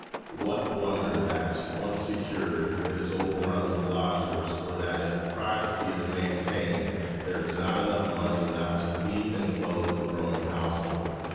What wonder that, once secured, it is overrun with lodgers, or that, if privacy is maintained, there is not enough money left to feed and clothe the growing household.